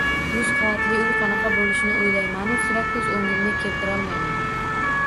Yuz qavatli uy qanaqa bo‘lishini o‘ylaymanu sira ko‘z o‘ngimga keltirolmayman.